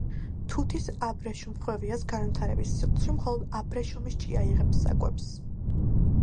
თუთის აბრეშუმხვევიას განვითარების ციკლში მხოლოდ აბრეშუმის ჭია იღებს საკვებს.